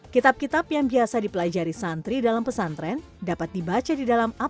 kitab kitab yang biasa dipelajari santri dalam pesantren dapat dibaca di dalam aplikasi